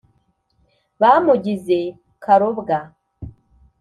«bamugize karobwa!»